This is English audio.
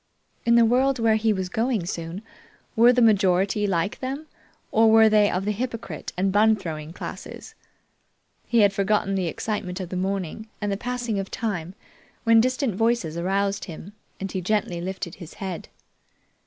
In the world where he was going soon, were the majority like them, or were they of the hypocrite and bun throwing classes? He had forgotten the excitement of the morning and the passing of time when distant voices aroused him, and he gently lifted his head.